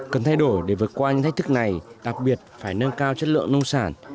cần thay đổi để vượt qua những thách thức này đặc biệt phải nâng cao chất lượng nông sản